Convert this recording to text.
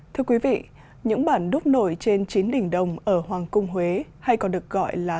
thưa quý vị những bản đúc nổi trên chín đỉnh đồng ở hoàng cung huế hay còn được gọi là